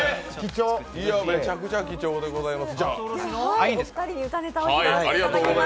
めちゃくちゃ貴重でございます、楽しみ。